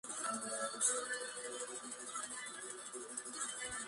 Esta zona es conocida por la diversidad de especies de mariposas.